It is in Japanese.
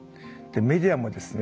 メディアもですね